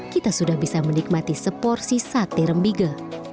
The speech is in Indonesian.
kita sudah bisa menikmati seporsi sate rembige